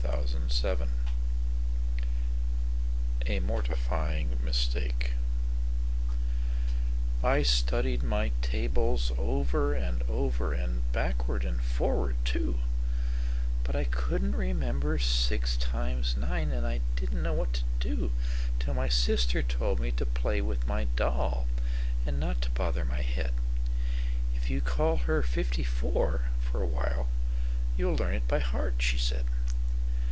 Pratt 1202 A Mortifying Mistake I STUDIED my tables over and over, and backward and forward, too; But I could n't remember six times nine, and I did n't know what to do, Till sister told me to play with my doll, and not to bother my head."If you call her 'Fifty four' for a while, you 'll learn it by heart," she said.